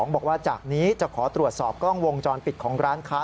บอกว่าจากนี้จะขอตรวจสอบกล้องวงจรปิดของร้านค้า